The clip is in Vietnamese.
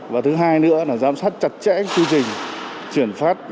và thứ hai nữa là giám sát chặt chẽ quy trình chuyển phát